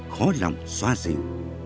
khó lòng xoa dịu